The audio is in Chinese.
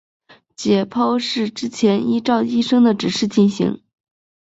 解剖是之前依照医生的指示进行。